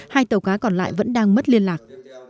hai tàu cá còn lại vẫn đang mất liên lạc